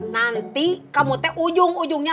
nanti kamu teh ujung ujungnya